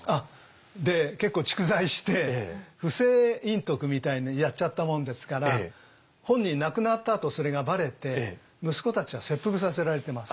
で結構蓄財して不正隠匿みたいにやっちゃったもんですから本人亡くなったあとそれがばれて息子たちは切腹させられてます。